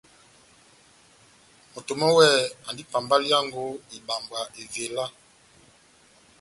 Moto mɔ́ wɛ́hɛ́pi andi pambaliyango ibambwa evela.